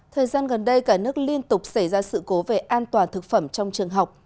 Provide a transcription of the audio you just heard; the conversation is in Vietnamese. thời gian gần đây cả nước liên tục xảy ra sự cố về an toàn thực phẩm trong trường học